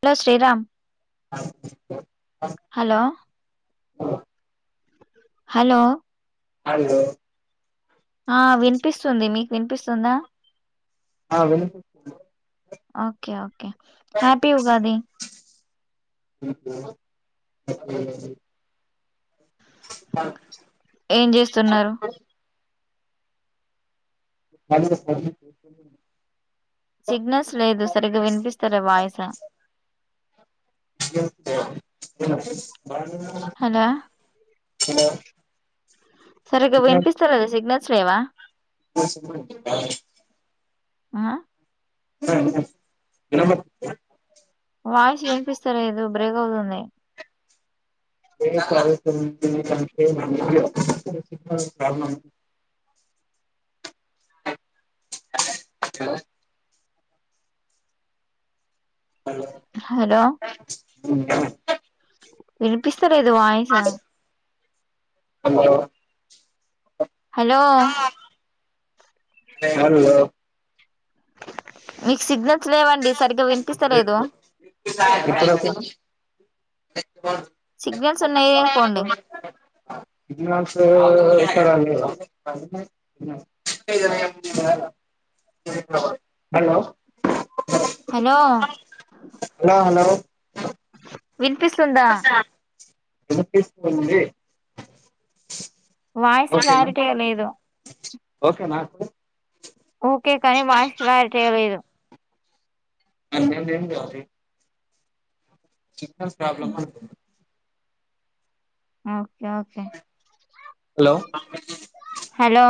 Hello Sriram [inaudible] hello hello hello ఆ వినిపిస్తుంది మీకు వినిపిస్తుందా ఆ వినిపిస్తుంది ఓకే ఓకే హ్యాపీ ఉగాది మీకు కూడా హ్యాపీ ఉగాది ఏం చేస్తున్నారు [inaudible] మీరే చెప్పాలి సిగ్నల్స్ లేదు సరిగ్గా వినిపిస్తలే వాయిస విన పీస్ బాడుండా హలో సరిగ్గా వినిపిస్తే లేదా సిగ్నల్స్ లేవా [inaudible] ఆ ఉన్నాయి ఉన్నాయి వినపడుతోందా వాయిసు వినిపిస్తా లేదు బ్రేక్ అవుతుంది బ్రేక్ అవుతుంది అంటే [inaudible] సిగ్నల్స్ ప్రాబ్లం [inaudible] హలో వినిపిస్తూ ఉందా వినిపిస్తా లేదు వాయిస్ అవున హలో హలో మీకు సిగ్నల్స్ లేవండి సరిగగా వినిపిస్తలేదు ఇప్పుడు ఓకేనా సిగ్నల్స్ ఉన్న ఏరియా పొండి సిగ్నల్స్ ఎక్కడా లేవు హలో హలో వినిపిస్తుందా వినిపిస్తుంది వాయిస్ ఓకేనా క్లారిటీగా లేదు ఓకేనా ఓకే కానీ వాయిస్ క్లారిటీగా లేదు. అ ఏం కా [inaudible] చిన్న ప్రాబ్లమ్ ఆ okay okay hello hello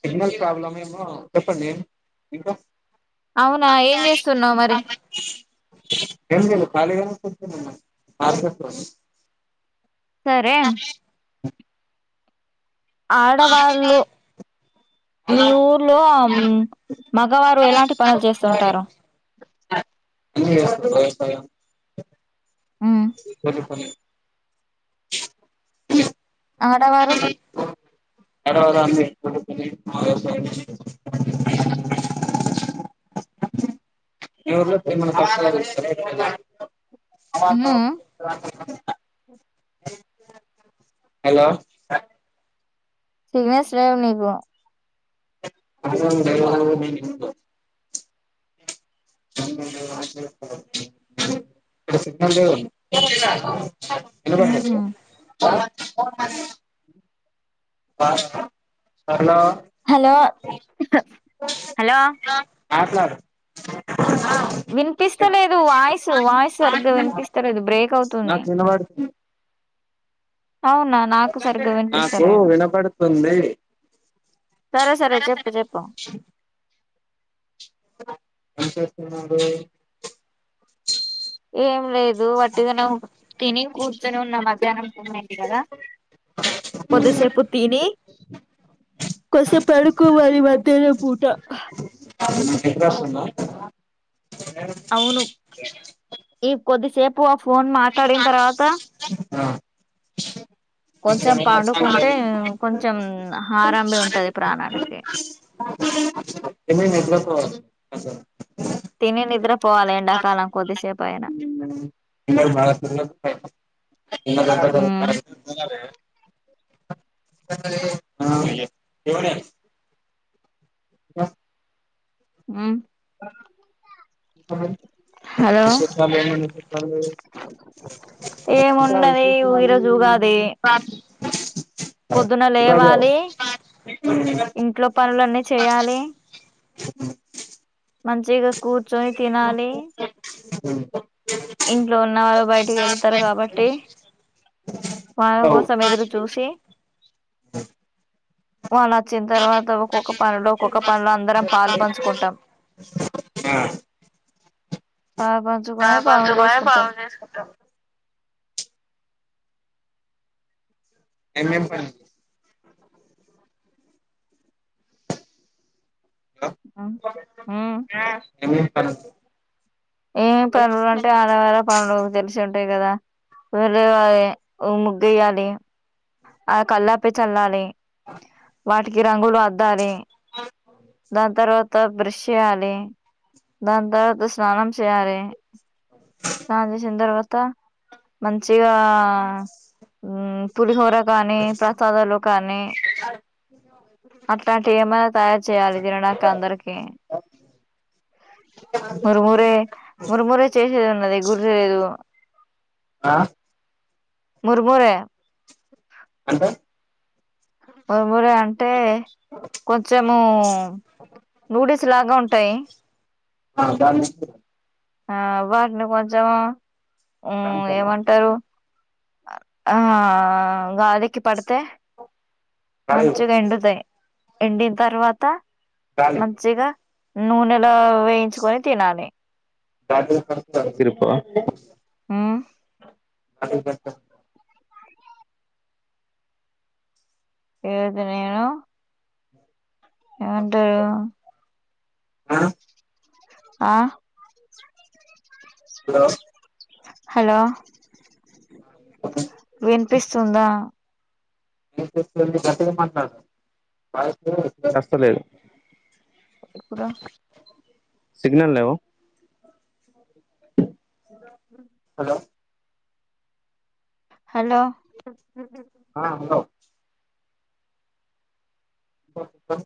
signal problem ఏమో చెప్పండి ఇంకా అవునా ఏం చేస్తున్నావు మరి ఏం లేదు కలిగానే సరే ఆడవాళ్ళు మీ ఊర్లోం ఊ మగవారు ఎలాంటి పనులు చేస్తుంటారు. అన్ని చేస్తుంటారు. మ్, రోజు పని ఆడ వారు ఆడవారు అన్ని కొన్ని పనులు చేస్తారు. [inaudible] మీ ఊర్లో ఏమైనా కొత్తగా చేస్తారా ఆడవాళ్ళు ఆ [inaudible] హలో సిగ్నల్స్ లేవు మీకు ఆడవాళ్ళు [inaudible] ఇడ సిగ్నల్లేదు మ్హూ. వినపడుతంద ఆ [inaudible] బాన్నవ సరళ హలో హలో మాట్లాడు వినిపిస్తలేదు వాయిస్ వాయిస్ సరిగ్గా వినిపిస్తలేదు బ్రేక్ అవుతుంది. నాకు వినబడుతుంది అవునా నాకు సరిగ్గా నాకు వినిపిస్తలేదు వినపడుతుంది. సరే సరే చెప్పు చెప్పు నాకు వినపడ్ ఏం లేదు వట్టిగనే తిని కూర్ కూర్చొని ఉన్నా మధ్యాహ్నం టైమ్ అయింది కదా కొద్దిసేపు తిని కొద్దిసేపు పడుకోవాలి మధ్యాన్నం పూట ఎందుకు అరుస్తున్నావ్ అవును ఈ కొద్దిసేపు ఆ ఫోన్ ఏ మాట్లాడిన ఆ తర్వాత కొంచెం నట్లస్ [unintelligible] పండుకుంటే కొంచెం హారంభి ఉంటది ప్రాణానికి తెలీదు ఎప్పుడువస్తావని ఆ సర్ తినినిద్రపో [unintelligible] అట్లా ఉమ్ కాదే లే ఆ [unintelligible] ఎవరేం ఆ ఉ ఆ హలో విశేషాలు ఏం అనుకుంటున్నారు మీరు ఏమున్నది ఈరోజు ఉగాది [inaudible] పొద్దున లేవాలి ఇంట్లో పనులన్నీ చేయాలి [unintelligible] మంచిగా కూర్చొని తినాలి ఉమ్ ఇంట్లో ఉన్న వాళ్ళు బయటికి వెళ్తారు కాబట్టి వాళ్ళ కోసం ఎదురు చూసి వాళ్ళు వచ్చిన తర్వాత ఒక్కొక్క పనిలో ఒక్కొక్క పనిలో అందరం పాలు పంచుకుంటాం పాలు ఆ పంచుకొని పదు పనులు పాయే చేసుకుంటాం పనులు చేసుకుంటా ఎం ఎం పనులు ఆమ్ హుమ్ ఏం ఏం పనులు ఏమేం పనులు అంటే ఆడవాళ్ళు పనులు తెలిసే ఉంట్ తే కదా ఎవరు తేవాలి ఓ ముగ్గు ఎయాలి అ కళ్ళాపి చల్లాలి వాటికి కి రంగులు అద్ ద్దాలి దాని తర్వాత త బ్రష్ ఏయ్యాలీ దాని తరువాత స్ననం చేయాలి [unintelligible] ఇంక మంచిగా పులిహోర కానీ ప్రసాదాలు కానీ అట్లాం టివి ఏమన్నా తయారు చేయాలి తినడానికి అందరికి మురుమురే మురుమురే చేసేది ఉన్నది గుర్తులేదు ఓ ఆహ్ మురుమూరే అంటే మురుమూరే అం అంటే కొంచెము నూడిల్స్ లాగా ఉంటాయి హ దాన్ని ఎంచేతరు ఆ వాటిను కొంచెం ఉ ఏమంటారు ఆ గాదికి పడితే మంచు గాలి నిండుతై ఎండిన తర్వాత మంచిగా నూనెలో వేయించుకొని తినాలి తాతయ్య పెడితే మానసిరిగి పోవ మ్మ్ అ అంకుల్ ఘట్టం ఏదైతే నేను ఏమంటరు వో ఆ హలో హలో అయి వినిపిస్తుందా వినిపిస్తుంది గట్టిగా మాట్లాడు వాయిస్ సరిగా వస్తలేదు ఇప్పుడు సిగ్నల్ లేవు సావ్ హ ద హలో ఆ హలో ఫోటుమ్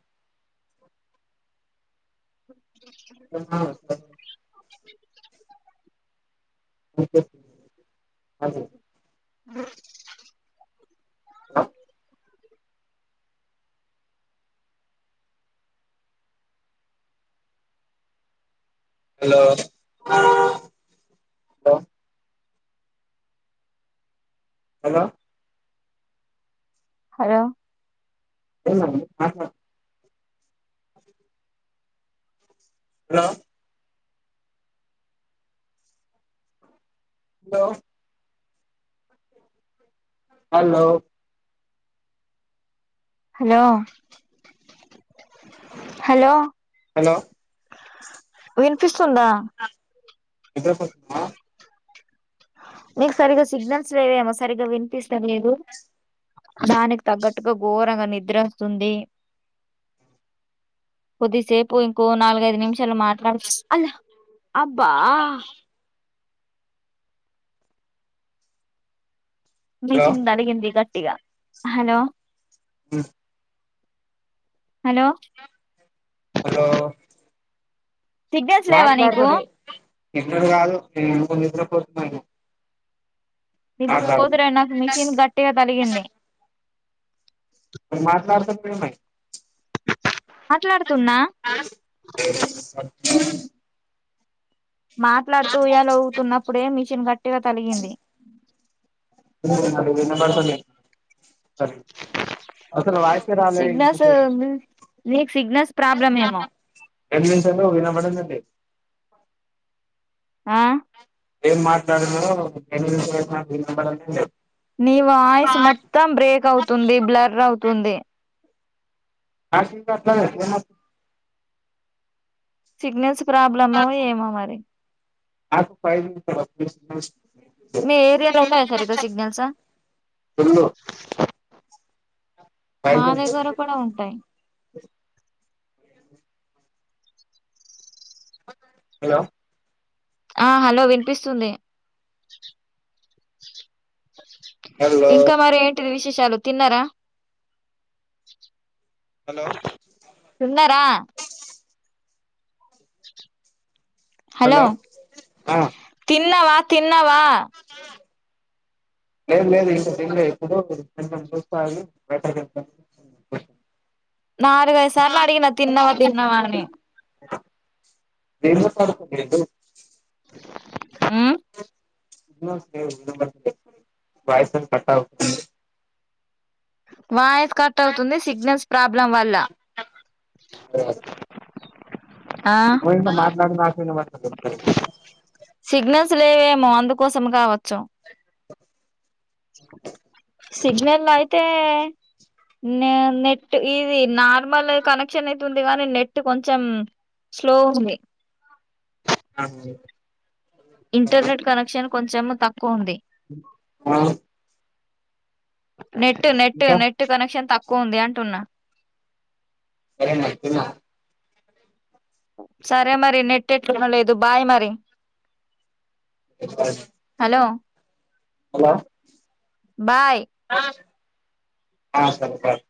హ అస్త బి కేర్ఫుల్ హజు అ లో హలో హలో హలో హలో హా hello hello hello hello hello hello విన్ఫిస్ స్తుందా నిద్రపోతున్న మీకు సరిగ్గా సిగ్నల్స్ లేవేమో సరిగ్గా వినిపిస్త లేదు దానికి తగ్గట్టుగా ఘోరంగా నిద్ర వస్తుంది కొద్దిసేపు ఇంకో నాలుగైదు నిమిషాలు మాట్లాడ్ అలా అబ్బా హలో మీకింద్ బలిగింది ఇగ ఇగ హలో ఉ హలో హలో సిగ్నల్స్ లేవా నీకు ఎక్కడ కాదు నేను కొ నిద్ద్ర పోతున్నా పోతురైనాక మిషన్ గట్టిగా తలిగింది మరి మాట్లాడుతున్న కదామ్మాయి మాట్లాడుతున్నా మాట్లాడుతూ ఉయాల ఊగుతున్నప్పుడే మిషన్ గట్టిగా తలిగింది వినబడతలేదు సరే అసలు వాయిసే రాలే సిగ్నల్స్ ఇంతసేపు మీకు సిగ్నల్స్ ప్రాబ్లం ఏమో ఏం [unintelligible] న్నావ్ వినబడడం లే ఆ ఏం మాట్లాడను [unintelligible] లేదు నీ వాయిస్ మొత్తం బ్రేక్ అవుతుంది బ్లర్ అవుతుంది ఆ [unintelligible] సిగ్నల్స్ ప్రాబ్లమో ఏమో మరి నాకు ఫైవ్ జీ [unintelligible] మీ ఏరియాలో ఉన్నాయా సరిగ్గా సిగ్నల్స్ ఫుల్లు మా ఫైవ్ జీ. దగ్గర కూడా ఉంటాయి హలో ఆ హలో వినిపిస్తుంది హలో ఇంకా మరి ఏంటిది విశేష చాలు తిన్నారా హలో తిన్నారా హలో ఆ తిన్నవా తిన్నావా లేదు లేదు ఇంకా తినలే ఇప్పుడు [unintelligible] నాలుగైదు సార్లు అడిగినా తిన్నవా తిన్నవా అని [unintelligible] ఉమ్, వాయిస్ కట్టా వాయి కట్ అవుతుంది సిగ్నల్స్ ప్రాబ్లం వల్ల ఆ [unintelligible] మాట్లాడి [unintelligible] సిగ్నల్స్ లేవేమో అందుకోసం కావచ్చు సిగ్నల్ అయితే నే నెట్ ఇది నా నార్మల్ కనెక్షన్ అయితే తుంది గాని నెట్ కొంచెం స్లో ఉంది ఆ ఇంటర్నెట్ కనెక్షన్ కొంచెం తక్కువ ఉంది ఆ నెట్ నెట్ ఇంకా నెట్ కనెక్షన్ తక్ క్కువ ఉంది అంటున్నా సరే మరి తిన్నావా సరే మరి నెట్టెట్లునలేదు బాయ్ మరి బాయ్ లో హలో బాయ్ ఆ సరే బాయ్